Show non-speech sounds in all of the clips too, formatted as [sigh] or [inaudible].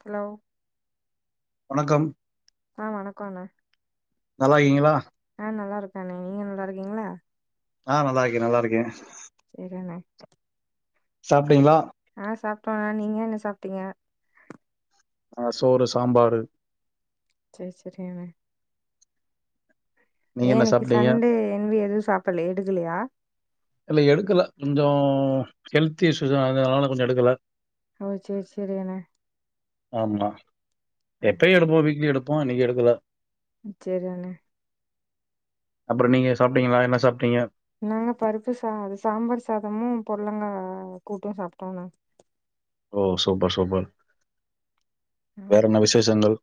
Hello வணக்கம் ஆ வணக்கோண்ணே நல்லாருகீங்களா ஆ நல்லாருக்கேண்ணே நீங்க நல்லாருக்கீங்ளா ஆ நல்லாருக்கே நல்லாருக்கே சேரிண்ணே சாப்டீங்ளா ஆ சாப்ட்டோண்ணே நீங்க என்ன சாப்டீங்க ஆ சோறு சாம்பாரு சேர் செரிங்கண்ணே ஏ நீங்க என்ன இன்னக்கி சாப்பிட்டீங்க? சண்டே என்வி எதுவு சாப்பல்ல எடுக்கலையா இல்ல எடுக்கல கொஞ்சோ ஹெல்த் இஸ்ஸுஸ் அது அதுனால கொஞ்சோ எடுக்கல ஓ சேர் சேரியண்ணே ஆமா ஆ எப்பயு சேரி எடுப்போ வீக்லி எடுப்போ இன்னக்கி எடுக்கல சேரி அண்ணே அப்பறோ நீங்க சாப்டீங்களா என்ன சாப்டீங்க நாங்க பருப்பு சா சாம்பார் சாதமு பொடலங்கா கூட்டு சாப்ட்டோண்ணே ஓ சூப்பர் சூப்பர் வேற என்ன விசேஷங்கள்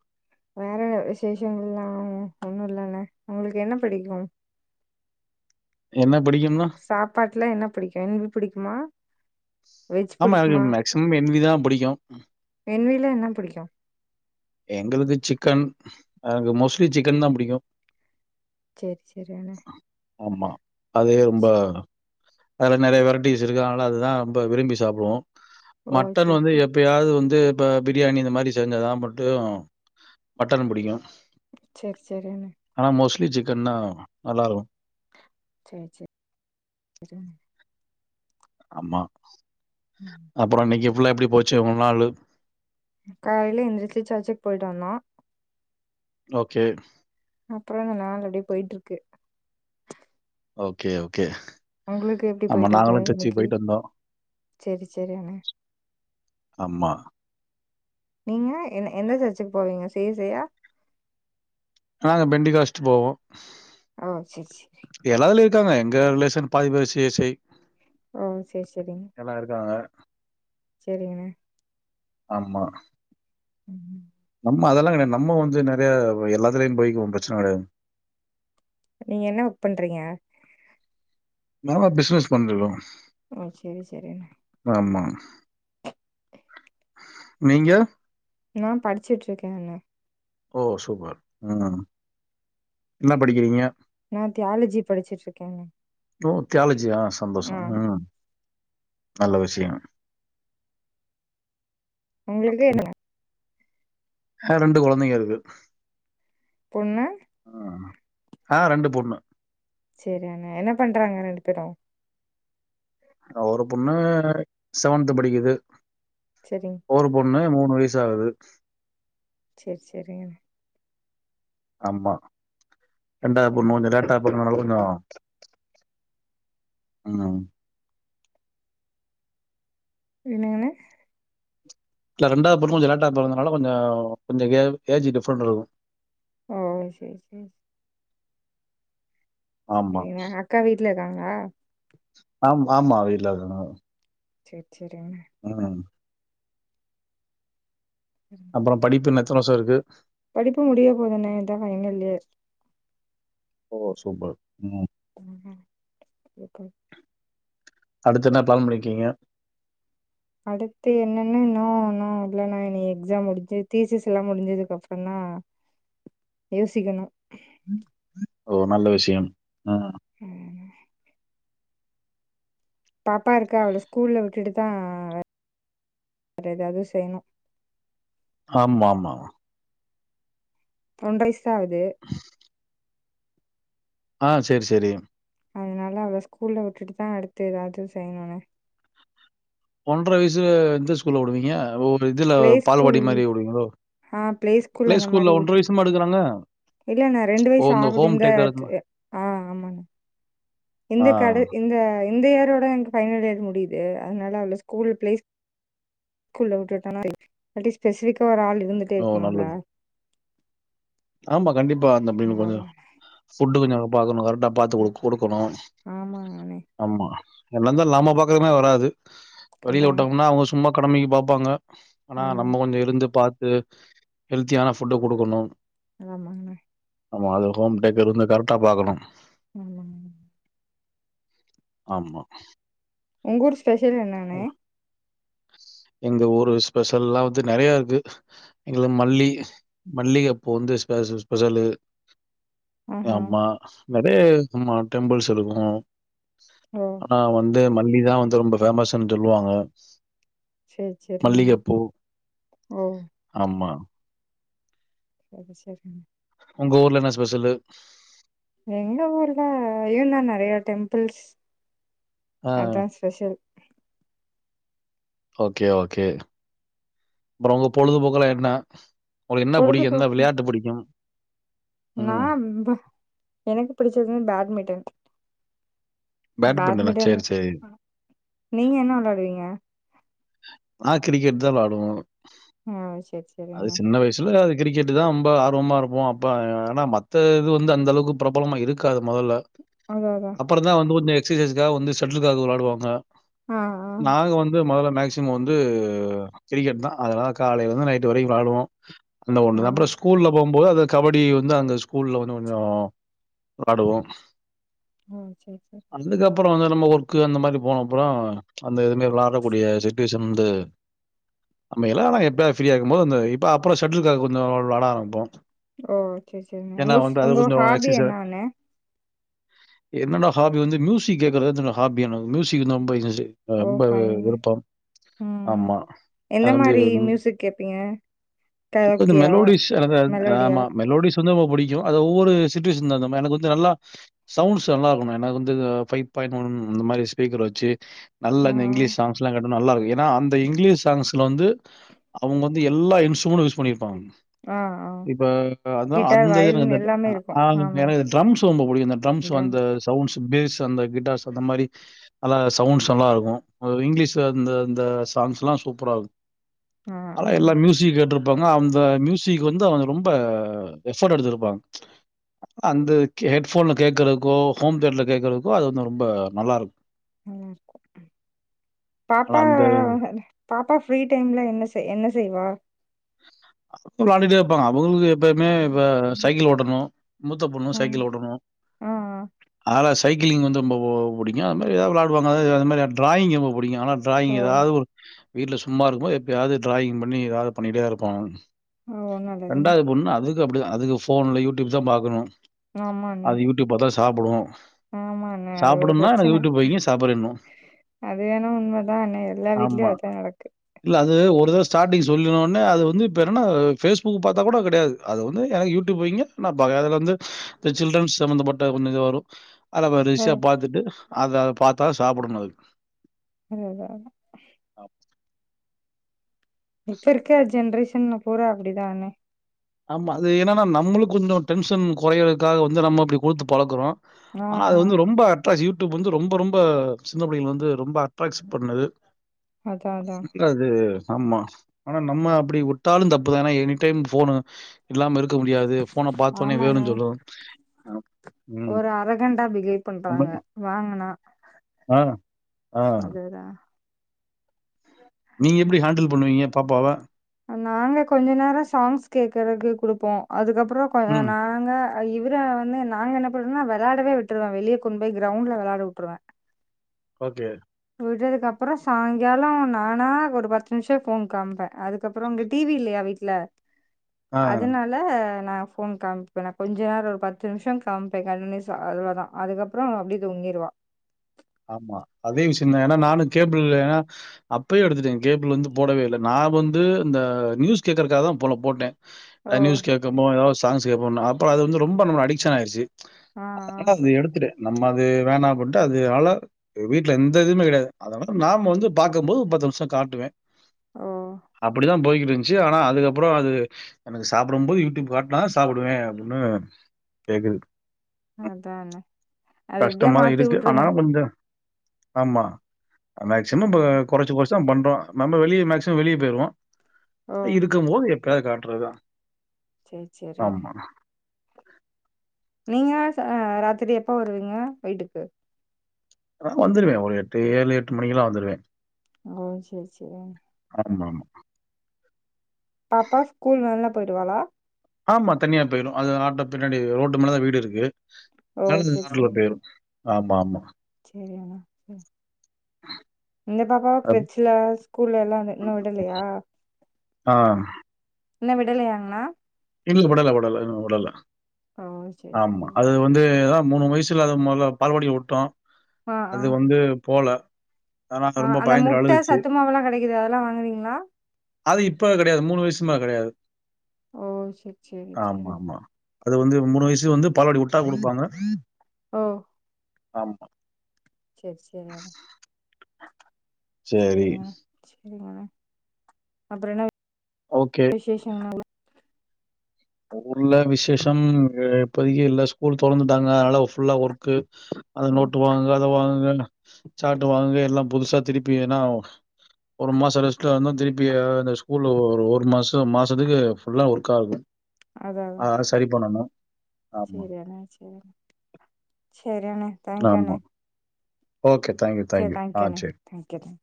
வேற என்ன விசேஷங்கள்லா ஒண்ணு இல்லண்ணே ஒங்களுக்கு என்ன பிடிக்கு என்ன பிடிக்கும்னா சாப்பாட்ல என்ன புடிக்கு என்வி புடிக்குமா ஆமா எனக்கு மேக்சிமம் என்விதா புடிக்கு என்வில என்ன புடிக்கு எங்களுது சிக்கன் எனக்கு மோஸ்ட்லி சிக்கன் தா புடிக்கு சேர் சேரியண்ணே ஆமா அதே ரொம்ப அதுல நெறைய வெரைட்டிஸ் இருக்கு அதுனால அதுதா ரொம்ப விரும்பி சாப்டுவோ ஓ மட்டன் சேரி வந்து எப்பயாவது வந்து இப்ப பிரியாணி இந்த மாரி செஞ்சாதா ப டியு மட்டன் புடிக்கு செர் செரியண்ணே ஆனா மோஸ்ட்லி சிக்கன்னா நல்லாருக்கு சேர் சேர் [unintelligible] ஆமா அப்பறோ இன்னிக்கி ஃபுல்லா எப்டி போச்சு முழு நாளு காலேல எந்துருச்சு சர்ச்சுக்கு போயிட்டு வந்தோ ஓகே அப்பறோ இந்த நாள் அப்டியே போயிட்ருக்கு ஓகே ஓகே ஒங்ளுக்கு எப்டி ஆமா போய்ட்ருக்கு நாங்களும் சர்ச்சுக்கு இன்னக்கி போயிட்டு வந்தோம். சேர் சேரியண்ணே ஆமா நீங்க என்ன எந்த சர்ச்சுக்கு போவீங்க சேசையா நாங்க பெண்டிகாஸ்ட்டு போவோ அ சேரி சே எல்லாதுலேயு இருக்காங்க எங்க ரிலேஷன் பாதி பேரு சி எஸ் ஐ ஓ சேரி சேரிங் எல்லா இருக்காங்க சேரிங்க ஆமா [unintelligible] நம்ம அதெல்லா கெடையாது நம்ம வந்து நெறைய எல்லாதுலேயு போயிக்கு உ பிரச்சன கெடையா நீங்க என்ன ஒர்க் பண்றீங்க நாம பிஸ்னஸ் பண்றுக்கோங் ஓகே சேரிண்ணே ஆமா நீங்க நா படிச்சிட்ருக்கே அண்ணா ஓ சூப்பர் ம் என்ன படிக்கிறீங்க நா தியாலஜி படிச்சிட்ருக்கேனே ஓ தியாலெஜியா சந்தோஷா ம் நல்ல விஷயோ உங்ளுக்கே என்னந அ ரெண்டு கொழந்தைங்க இருக்கு பொண்ணு ஆ ரெண்டு பொண்ணு சேரி அண்ணே என்ன பண்றாங்க ரெண்டு பேரு அ ஒரு பொண்ணு செவன்த்து படிக்குது சேரிங் ஒரு பொண்ணு மூணு வயுசு ஆவுது சேரி சேரிங்க ஆமா சேரி ரெண்டாவது பொண்ணு சேரிங்க கொஞ்ச லேட்டா பொறந்ததால கொஞ்சோ ம் என்னங்கண்ணே இல்ல ரெண்டாது பொண்ணு கொஞ்ச லேட்டா பிறந்தனால கொஞ்ச கொஞ்ச ஏ ஏஜ் டிஃப்ரெண்ட் இருக்கு ஓ சேரி சேரி சேரி ஆமா சரிங்க. அக்கா வீட்ல இருக்காங்களா ஆம் ஆமா வீட்ல இருக்காங்க சேர் சேரிங்க ம் அப்புற படிப்பு இன்னு எத்தன வருஷ இருக்கு படிப்பு முடிய போதுண்ணே இதா ஃபயினல் இயர் ஓ சூப்பர் ம் [unintelligible] ஓகே அடுத்து என்ன பிளான் பண்ணிக்கீங்க அடுத்து என்னென்ன இன்னு ஒன்னு இல்லனா இனி எக்ஸாம் முடிஞ்சு தீசஸ் எல்லா முடிஞ்சதுக்குப்புற தா யோசிகணு ம் ம் ஓ நல்ல விஷயம் ஆ அ பாப்பா இருக்கா அவள ஸ்கூல விட்டுட்டு தா வேற எதாவது செய்ணு ஆமா மா ஒன்ற வய்ச்தா ஆகுது [inaudible] ஆ சேரி சேரி அதனால அவள ஸ்கூல்ல விட்டுட்டுதா அடுத்து எதாவ்து செய்ணுணே ஒன்ற வயிசுல இந்தச் ஸ்கூல்ல உடுவீங்க ஓ இதுல பிளே ஸ்கூல் பால்வாடி மாரி உடுவீங்ளோ ஆ பிளே ஸ்கூல் ஃபிளே அந்த மாரி ஸ்கூல்ல ஒன்ற விட்டுட்டு வயசுமா எடுகறாங்க இல்லண்ணே ரெண்டு வயிசு ஆகுது இந்தத் ஆ ஆமாணே ஆ இந்தக் கட இ இந்த இந்த இயரோட என்க்கு பைனல் இயர் முடியுது அதனால அவள ஸ்கூல் பிளேஸ் கூல்ல வுட்டுட்டனா பெ இல்ட்டி ஸ்பெசிபிக்கா ஒரு ஆள் இருந்துட்டே ஓ இருக்ணுல்ல நல்லது ஆமா கண்டிப்பா அந்த இப்டி கொஞ்சோ அதனால ஃபுட்டு கொஞ்சோ பாக்கணு கரெட்டாப் பாத்து குடுக் குடுக்குணு ஆமாங்க அண்ணே ஆமா என்ன இந்தாலு நாம பாக்கறமா வராது வெளில கண்டாங்க வுட்டம்னா அவுங்க சும்மா கடமைகி பாப்பாங்க ஆனா ஆமாங்க நம்ம கொஞ்சோ இருந்து பாத் அ ஹெல்த்தியான ஃபுட்ட குடுக்குணு ஆமாங்ண ஆமா அது ஹோம் டேக்கரு வந்து கர்ட்டா பாக்கணு ஆமாங்ண ஆமா உங்க ஊர் ஸ்பெஷல் என்னாணே எங்க ஊரு ஸ்பெஷல்லா வந்து நெறைய இருக்கு இங்கள மல்லி மல்லிகப்பூ வந்து ஸ்பெச ஸ்பெஷலு ஆஹா ஆம்மா நெறைய இருக்குமா டெம்பிள்ஸ் இருக்கு ஓ ஆனா வந்து மல்லிதா வந்து ரொம்ப பேமஸ்சுன் சொல்வாங்க சரி சரிங்கண்ணே மல்லிகப்பூ ஓ ஆமா சரி சரிண உங்க ஊர்ல என்ன ஸ்பெஷலு எங்க ஊருல ஏன்னா நெறைய டெம்பிள்ஸ் ஆ. அதா ஸ்பெஷல் ஓகே ஓகே அப்றோ உங்க பொழுதுபோக்குலா என்ன உங்ளுக்கு என்ன புடிக்கு எந்த விளையாட்டு புடிக்கும் நாம்ப்ப எனக்கு பிடிச்சது வந் பேட்மிட்டன் பேட்மிண்டனா? பேட்மிட்டன் சரி, சரி. நீங்க என்ன வெளையாடுவீங்க நா கிரிக்கெட்தா வெளாடுவோ ஆ செரி செ அது சின்ன வயிசுல அதுக் கிரிக்கெட்டுதா இம்ப ஆர்வமா இருப்போ அப்ப ஆனா மத்த இது வந்து அந்த அளவுக்கு பிரபலமா இருக்காது மொதல்ல அதா அதா தா வந்து கொஞ்சோ எக்சஸைசுகாக வந்து ஷெட்லுகாக்கு வெளாடுவாங்க ஆ ஆ நாங்க வந்து மொதல்ல மேக்ஸ் சிம வந்து கிரிக்கெட்தா அதனால காலைலந்து நைட்டு வரைக்கு விளாடுவோ அந்த ஆ ஒன்னுதா அப்றோஸ்க் கூல்ல போம்போது அது கபடி வந்து அங்க ஸ்கூல்ல வந்து கொஞ்சோ ஆடுவோ ஓ செரி செரி அந்துகப் பறோ வந்து நம்ம ஒர்க்கு அந்த மாரி போன அப்றோ அந்த எதுமே விளார்றக்கூடிய சிட்டுவேஷன் இந்து அமையல ஆனா எப்பியா ஃப்ரீயா இருக்கும்மோது அந்த இப்ப அப்பறோ ஷெட்லுகாக்கு கொஞ்சோ விளாட ஆரமிப்போ ஓ செரி செரிங்க வுங்கஃப் வுங்க கொஞ்சம் ஹாபி எக்ஸர்சைஸ் என்னாணே என்னோட ஹாபி வந்து மியூசிக் கேக்றது தன்ன ஹாபி எனக்கு மியூசிக் [unintelligible] ஓ அம்ப ஃபைனுங்க விருப்பம் ஆம்மா அது வந்து இம் துக் கேப்பீங்க கொஞ்சோ கரோக்கியா மெலோடிஸ் அது அ மெலோடியா ஆமா மெலோடிஸ் ந்தமோ புடிக்கு அது ஒவ்வொரு சிட்டுவேஷன் தகுந்த மாரி எனக்கு வந்து நல்லா சவுண்ட்ஸ் நல்லா இருக்கணு எனக்கு வந்து ஃபைவ் பாயிண்ட் வன் இந்த மாரி ஸ்பீக்கர் வெச்சு நல்லா ஆ இந்த இங்கிலீஷ் சாங்ஸ் எல்லா கேட்டா நல்லா இருக்கு எனா அந்த இங்கிலீஷ் சாங்ஸ்ல வந்து அவ்ங்க வந்து எல்லா இன்ஸ்ட்ரூமன்டு யூஸ் பண்ணிர்ப்பாங்க ஆ ஆ இப்ப அதா கிட்டார் அந்த வயலின் எனக் எல்லாமே அ இருக்கு ஆ ஆமா எனக்கு ட்ரம்ஸ் ரொம்ப புடிக்கு த ட்ரம்ஸ் ட்ரம் வந்த சவுண்ட்ஸ் பேஸ் அந்த கிட்டார்ஸ் அந்த மாரி அல்லா சவுண்ட்ஸ் நல்லா இருக்கு இங்கிலீஷ் இந்த இந்த சாங்ஸ் ல்லா சூப்பரா இருக்கு ஆ ஆனா ஆ எல்லா மியூசிக் கேட்ரு ப்பாங்க அந்த மியூசிக் வந்து அவங்க ரொம்ப எஃபோர்ட் எடுத்திருப்பாங்க அந்த ஹெட்போன்ல கேக்றதுக்கோ ஹோம் தேட்டர்ல கேக்றதுக்கோ அது வந்து ரொம்ப நல்லா இருக்கு ஆனா பாப்பா அந்த பாப்பா ஃப்ரீ டைம்ல என்ன செய் என்ன செய்வா வ்ளாண்டிட்டே இருப்பாங்க அவ்ங்களுக்கு எப்பய்மே இப்ப சைக்கிள் ஓட்டணு மூத்த பொண்ணூ ஆ சைக்கிள் ஓட்டணு ஆ ஆலா சைக்கிளிங் வந்து ரொம்ப ஓ புடிக்கு அது மாரி எதா விளாடுவாங்க அது மாரி ட்ராயிங் ரொம்ப புடிக்கு ஆனா ஆ. ஓ ட்ராயிங் எதாவ்து ஒ வீட்ல சும்மா இருக்கும்போ எப்பயாவ்து ட்ராயிங் பண்ணி எதாது பண்ணிட்டே இருப்பாங்க ஓ நல்லதுண்ணே ரெண்டாவ்து பொண்ணு அதுக்கு அப்டிதா அதுக்கு ஃபோன்ல யூடியூப் தா பாக்கணு ஆமாண்ணே ட்யூப் பாத்தா சாப்புடுவோ ஆமாங்க அது ஒரு ப்ரச்சன சாப்பிடணும். அது வேணா உண்மதா அண்ணே எல்லா வீட்லயு ஆமா. அதுதா நடக்கு இல்ல அது ஒரு தட ஸ்டாடிங் சொல்லு ஓன்னே அது வந்து இப்ப என்னன்னா ஃபேஸ்புக் பாத்தா கூட கடையாது அது ஒன்னு எனக்கு யூடியூப் வைங்க நா பாக்குறே அதுல வந்து இந்த சில்ட்ரன்ஸ் சம்மந்தப்பட்ட ஒன்னு இது வரு அத அ வரிசயா பாத்துட்டு அத பாத்தா சாப்படணு அது ன் லகா இப்ப இருக்க ஜென்ரேஷன் ல பூரா அப்பிடிதா அண்ணே ஆமா அது என்னனா நம்மளு கொஞ்சோ டென்ஷன் கொறையதுக்காக வந்து நம்ம அப்டி குடுத்து பழக்குறோ ஆ ஆனா அது ஆ வந்து ரொம்ப அட்ரேக்ஸ் யூடியூப் வந்து ரொம்ப ரொம்ப அ சின்ன புள்ளெங்கள வந்து ரொம்ப அட்ராக்ஸ் பண்ணுது அதா அதா அ அது ஆமா ஆனா நம்ம அப்டி உட்டாலு தப்புதா எனா எனி டைம் ஃபோனு இல்லாம இருக்க முடியாது ஃபோன பாத்த ஒனே ஆமாண்ணே வேணுனு சொல்றதூ ஆ ஒரு அரகண்டா பிகேவ் பண்றாங்க வாங்கனா ஆ ஆ அதேதா நீங்க எப்டி ஹேண்டில் பண்ணுவீங்க பாப்பாவ நாங்க கொஞ்ச நேரொ சாங்ஸ் கேக்குறதுக்கு குடுப்போ அதுக்கப்பறொ கொஞ்ச ந ம் நாங்க இவுர வந்து நாங்க என்ன பண்ணுவோனா வளாடவே விட்ருவே வெளிய கொண்டு போய் கிரவுண்ட்ல வளாட விட்ருவே ஓகே விட்றதுக்கு அப்பறொ சாய்ங்காலோ நானா ஒரு பத்து நிம்ஷோ ஃபோன் காம்ப்ப அது கப்பறொ அங்க டி வி இல்லையா வீட்ல ஆ அதனா ல நா ஃபோன் காம்ப்பே நா கொஞ்ச நேரொ பத்து நிம்ஷொ காம்ப்ப கண்டின்யூஸா அவ்ளோ தா அதுக்கப்பறோ அவ அப்டியே தூங்கிரூவா ஆமா அதே விஷயம் தான் ஏன்னா நானும் கேபிள் ஏன்னா அப்பயே எடுத்துட்டேன் கேபிள் வந்து போடவே இல்ல நான் வந்து இந்த நியூஸ் கேக்கறதுக்காக தான் போல போட்டேன் ஓ அ நியூஸ் கேட்க போ எதாவது சாங்ஸ் கேபோம் அப்பறம் அது வந்து ரொம்ப நம்ம அடிக்ஷன் ஆயிச்சு ஆ ஆ அதனால அது எடுத்துடு நம்ம அது வேணாம் போட்டு அது அழ வீட்ல எந்த இதுவுமே கெடையாது அதனால நாம வந்து பாக்க போது பத்து நிமிஷம் காட்டுவேன் ஓ அப்படித்தான் போய்கிட் இருஞ் சி ஆனா அதுக்கப்பறம் அது எனக்கு சாப்பிடும் போது யூடியூப் காட்னாதா சாப்டுவேன் அப்டின்னு கேக்குது அதான அத எப்டியா கஷ்டமா தா மாத்தி இருக்கு வுட்ருங்க ஆனாலு கொஞ்ச ஆமா ஆ மேக்சிமம் பா கொறச்சு கொறச்சுதா பண்றோம் நம்ம வெளியே மேக்சிமம் வெளியே போயிருவோம் ஓ இருக்கும் போது எப்பயாவது காட்டறதுதா செரி செரி ஆன நீங்க ச ராத்திரி எப்ப வருவீங்க வீட்டுக்கு ஆ வந்துருவேன் ஒரு எட்டு ஏழு எட்டு மணிக்கல்லா வந்துருவேன் ஓ செரி செரி ஆமா ஆமா பாப்பா ஸ்கூல் வேன்ல போயிடுவாளா ஆமா தனியா போயிடும் அது ஆட்ட பின்னாடி ரோட்டு மேலதா வீடு இருக்கு ஓ ஆமா ஆமா செரியான செரி இந்த பாப்பாவ அத் கிரச்சல ஸ்கூல்ல எல்லா அந்த இன்னும் விடலையா ஆ இன்னும் விடலயாங்ண்ணா இல்லக உடல உடல உடல ஓ சேரி ஆமா சேரி அது வந்து அதா மூணு வய்ஸ் தில்லாத முதல பால்வாடில வுட்டோ ஆ அது ஆ வந்து போல ஆனா ஆ ரொம்ப அந்த பயந்துட்டு முட்ட அழுதுச்சு. சத்து மாவுல்லா கெடைக்குது அதெல்லா வாங்குவீங்ளா அது இப்ப கெடையாது மூணு வயசு மேல கெடையாது ஓ செ ஆமா ஆமா அது வந்து மூணு வயசு வந்து பால்வடி வுட்டா குடுப்பாங்க ஓ ஆமா செரி செரியான சரி. செரிங்க செரிங்க அப்பறம் என்ன ஓகே விசேஷங் நாள ஊர்ல விசேஷம் இப்பதைக்கு இல்ல ஸ்கூல் தொறந்துட்டாங்க அதனால ஃபுல்லா ஒர்க்கு அத நோட்டு வாங்குங்க அத வாங்குங்க சாட் வாங்கு எல்லாம் புதுசா திருப்பி ஏன்னா ஒரு மாசம் ரெஸ்ட்ல இருந்தோ திருப்பி அந்த ஸ்கூல் ஒ ஒரு மாசம் மாசத்துக்கு ஃபுல்லா ஒர்க் ஆகும் அதா சரி பண்ணணு செரியண்ணா செரி செரியண்ணா ஆமா ஓகே தேங்க்யூ சரி தேங்க்யூண்ணே தேங்க்யூ